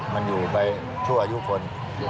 มันอยู่ไปชั่วอายุคน